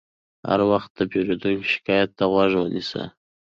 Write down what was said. هر وخت د پیرودونکي شکایت ته غوږ ونیسه.